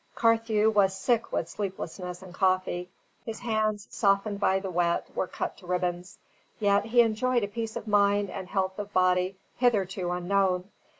Carthew was sick with sleeplessness and coffee; his hands, softened by the wet, were cut to ribbons; yet he enjoyed a peace of mind and health of body hitherto unknown.